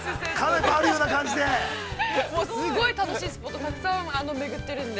すごい楽しいスポット、たくさん巡っているんで。